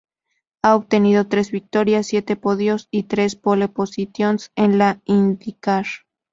Ha obtenido tres victorias, siete podios y tres pole positions en la IndyCar.